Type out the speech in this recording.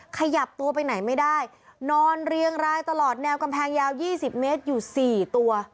ขยับตัวไปไหนไม่ได้นอนเรียงรายตลอดแนวกำแพงยาว๒๐เมตรอยู่๔ตัว